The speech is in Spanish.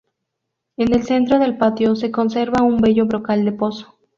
En el centro del patio se conserva un bello brocal de pozo.